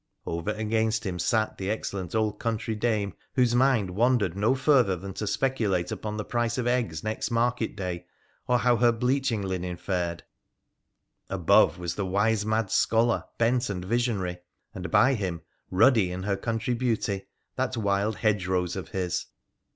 Over against him sat the excellent old country dame, whose mind wandered no further than to speculate upon the price of eggs next market day, or how her bleaching linen fared ; above was the wise mad scholar, bent and visionary ; and by him, ruddy in her country beauty, that wild hedge rose of his.